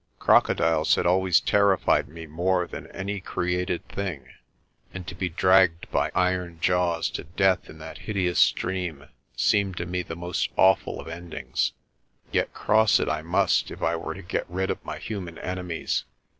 Crocodiles had always terrified me more than any created thing, and to be dragged by iron jaws to death in that hideous stream seemed to me the most awful of endings. Yet cross it I must if I were to get rid of my human enemies.